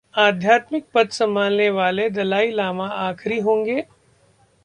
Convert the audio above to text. आध्यात्मिक पद संभालने वाले दलाई लामा आखिरी होंगे?